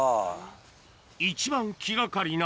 一番気がかりな。